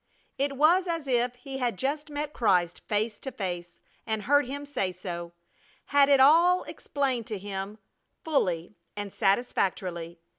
It was as if he had just met Christ face to face and heard Him say so; had it all explained to him fully and satisfactorily.